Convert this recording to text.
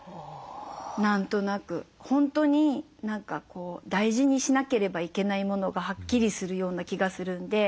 何となく本当に大事にしなければいけないものがはっきりするような気がするんで。